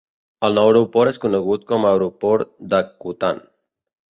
El nou aeroport és conegut com a aeroport d'Akutan.